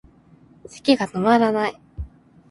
咳がとまらない